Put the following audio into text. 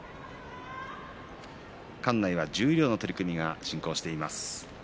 館内では十両の取組が進んでいます。